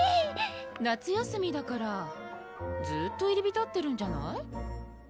夏休みだからずっと入り浸ってるんじゃない？